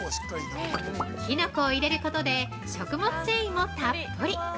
きのこを入れることで食物繊維もたっぷり。